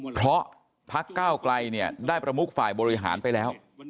เพราะพักก้าวไกลเนี่ยได้ประมุกฝ่ายบริหารไปแล้ว